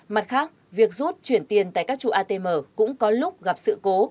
mặt khác việc rút chuyển tiền tại các trụ atm cũng có lúc gặp sự cố